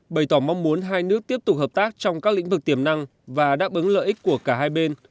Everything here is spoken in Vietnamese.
bày tỏ mong muốn hai nước tiếp tục hợp tác trong các lĩnh vực tiềm năng và đáp ứng lợi ích của cả hai bên